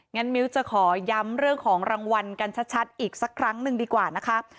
งั้นมิ้วจะขอย้ำเรื่องของรางวัลกันชัดอีกสักครั้งหนึ่งดีกว่านะคะ